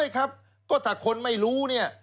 ก็ถ้าคนไม่รู้